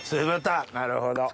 なるほど。